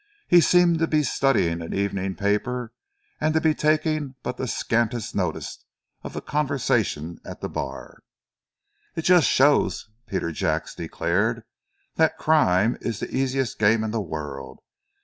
He seemed to be studying an evening paper and to be taking but the scantiest notice of the conversation at the bar. "It just shows," Peter Jacks declared, "that crime is the easiest game in the world.